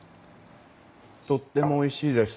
とってもおいしいです。